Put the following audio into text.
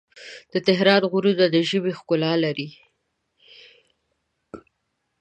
د تهران غرونه د ژمي ښکلا لري.